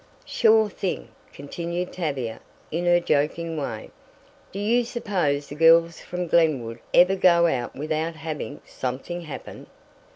"Sure thing," continued Tavia, in her joking way. "Do you suppose the girls from Glenwood ever go out without having 'something happen'?"